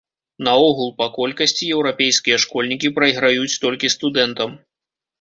Наогул, па колькасці еўрапейскія школьнікі прайграюць толькі студэнтам.